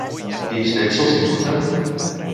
Quins fets se'ls imputen?